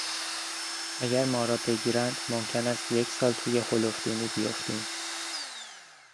اگر ما را بگیرند ممکن است یک سال تو هلفدونی بیفتیم.